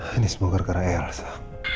ini semua gara gara elsa